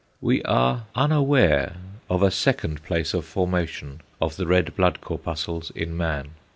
We are unaware of a second place of formation of the red blood corpuscles in man.